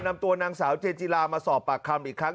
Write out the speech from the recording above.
นำตัวนางสาวเจนจิลามาสอบปากคำอีกครั้ง